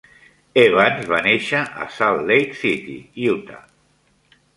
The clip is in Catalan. Evans va néixer a Salt Lake City, Utah.